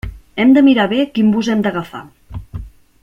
Hem de mirar bé quin bus hem d'agafar.